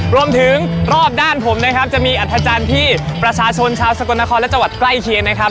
รอบด้านผมนะครับจะมีอัธจันทร์ที่ประชาชนชาวสกลนครและจังหวัดใกล้เคียงนะครับ